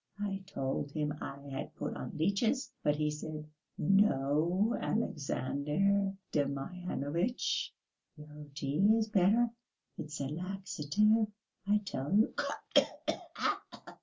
I told him I had put on leeches. But he said, 'No, Alexandr Demyanovitch, yarrow tea is better, it's a laxative, I tell you'